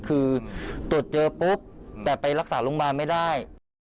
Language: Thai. คือตรวจเจอปุ๊บแต่ไปรักษาโรงพยาบาลไม่ได้